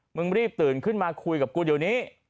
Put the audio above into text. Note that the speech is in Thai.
มึงรีบตื่นขึ้นมาคุยกับกูเดี๋ยวนี้